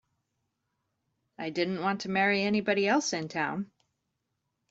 I didn't want to marry anybody else in town.